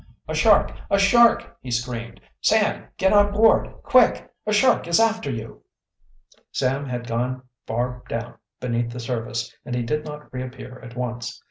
"A shark! a shark!" he screamed. "Sam, get on board, quick! A shark is after you!" Sam had gone far down beneath the surface and he did not reappear at once.